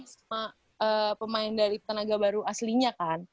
sama pemain dari tenaga baru aslinya kan